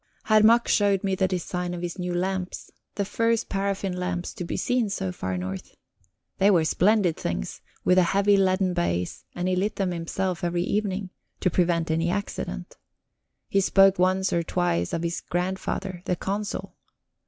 Herr Mack showed me the design of his new lamps the first paraffin lamps to be seen so far north. They were splendid things, with a heavy leaden base, and he lit them himself every evening to prevent any accident. He spoke once or twice of his grandfather, the Consul.